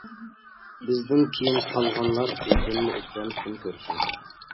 بىزدىن كېيىن قالغانلار بىزدىنمۇ ئوبدان كۈن كۆرسۇن.